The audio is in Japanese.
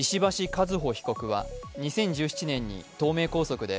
和歩被告は、２０１７年に東名高速で